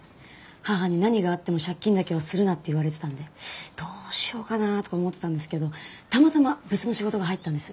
母に「何があっても借金だけはするな」って言われてたのでどうしようかなあとか思ってたんですけどたまたま別の仕事が入ったんです。